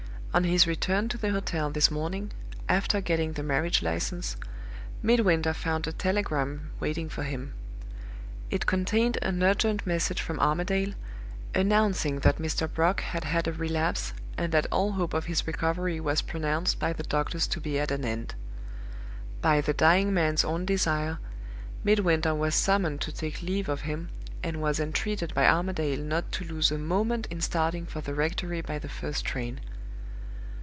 "On his return to the hotel this morning, after getting the marriage license, Midwinter found a telegram waiting for him. It contained an urgent message from Armadale, announcing that Mr. Brock had had a relapse, and that all hope of his recovery was pronounced by the doctors to be at an end. By the dying man's own desire, Midwinter was summoned to take leave of him, and was entreated by Armadale not to lose a moment in starting for the rectory by the first train.